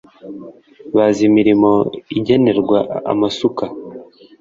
Bazi imirimo igenerwa amasuka